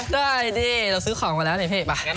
ใครบอกเนี่ย